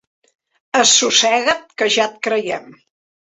Assossega't, que ja et creiem.